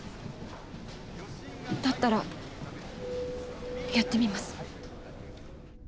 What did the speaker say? だったらやってみます。